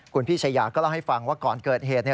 คุณพี่ชายาก็เล่าให้ฟังว่าก่อนเกิดเหตุ